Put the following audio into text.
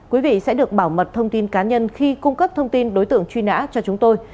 quý vị sẽ được bảo mật thông tin cá nhân khi cung cấp thông tin đối tượng truy nã cho chúng tôi